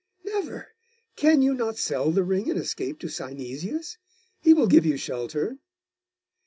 'Never! Can you not sell the ring, and escape to Synesius? He will give you shelter.